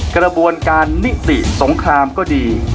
กระบวนการนิติสงครามก็ดี